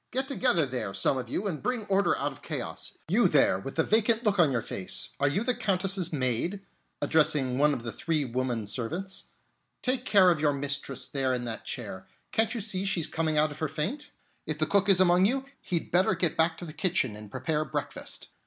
"Get together there, some of you, and bring order out of chaos. You there, with the vacant look on your face, are you the Countess's maid?" addressing one of the three woman servants. "Take care of your mistress there in that chair. Can't you see she's coming out of her faint? If the cook is among you, he'd better get back to the kitchen and prepare breakfast.